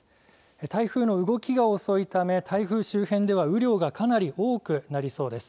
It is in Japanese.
台風の動きが遅いため、台風周辺では雨量がかなり多くなりそうです。